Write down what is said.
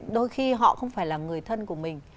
đôi khi họ không phải là người thân của mình